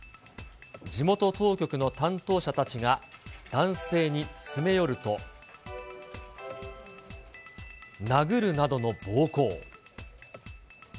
地元当局の担当者たちが男性に詰め寄ると、殴るなどの暴行。